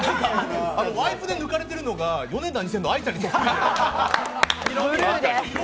ワイプで抜かれてるのがヨネダ２０００の愛ちゃんにそっくり。